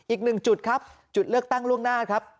อีกหนึ่งจุดครับจุดเลือกตั้งล่วงหน้าครับ